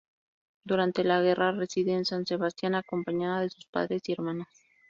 Durante la guerra reside en San Sebastián acompañada de sus padres y hermanas.